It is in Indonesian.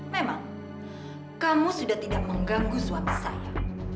memang kamu sudah tidak mengganggu suami saya